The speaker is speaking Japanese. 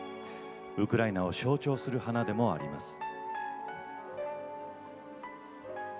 ウクライナを象徴する花でもあります。